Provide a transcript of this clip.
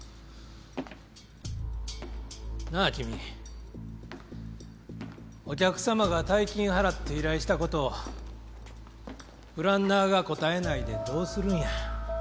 なあ君お客様が大金払って依頼したことをプランナーが応えないでどうするんや？